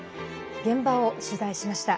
現場を取材しました。